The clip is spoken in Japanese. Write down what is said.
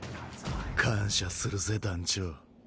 感謝するぜ団ちょ。